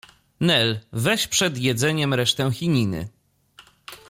— Nel, weź przed jedzeniem resztę chininy.